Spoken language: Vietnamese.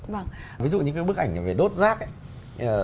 vâng ví dụ những cái bức ảnh về đốt rác ấy